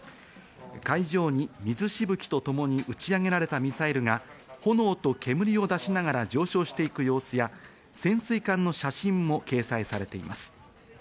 海上に水しぶきとともに打ち上げられたミサイルが炎と煙を出しながら上昇していく様子や潜水艦の写真も掲載されています。